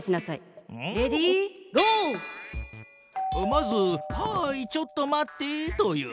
まず「はいちょっと待って」と言う。